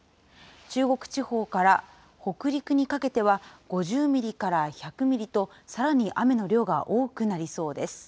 中国地方から北陸にかけては５０ミリから１００ミリと、さらに雨の量が多くなりそうです。